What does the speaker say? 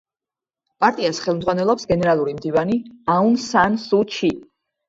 პარტიას ხელმძღვანელობს გენერალური მდივანი აუნ სან სუ ჩი.